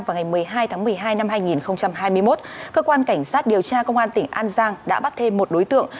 vào ngày một mươi hai tháng một mươi hai năm hai nghìn hai mươi một cơ quan cảnh sát điều tra công an tỉnh an giang đã bắt thêm một đối tượng